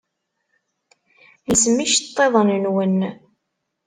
Lsem iceṭṭiḍen-nwen!